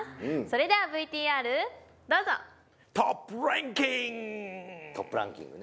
それではＶＴＲどうぞトップランキング！